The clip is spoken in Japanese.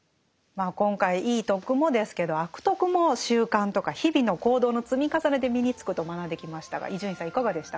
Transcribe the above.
今回いい「徳」もですけど「悪徳」も習慣とか日々の行動の積み重ねで身につくと学んできましたが伊集院さんいかがでしたか？